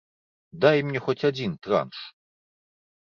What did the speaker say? Дай мне хоць адзін транш.